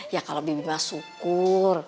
ya kalau bibi bima syukur